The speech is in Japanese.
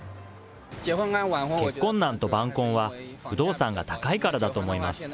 結婚難と晩婚は不動産が高いからだと思います。